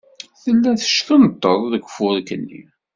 Tella teckunṭeḍ deg ufurk-nni.